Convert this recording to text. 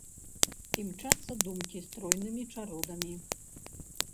Імчацца думкі стройнымі чародамі.